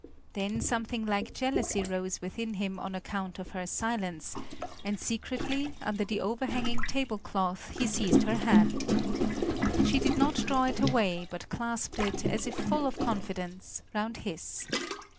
Then something like jealousy rose within him on account of her silence, and secretly, under the overhanging tablecloth, he seized her hand. She did not draw it away, but clasped it, as if full of confidence, round his.